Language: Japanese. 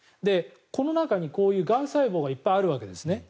この中に、こういうがん細胞がいっぱいあるわけですね。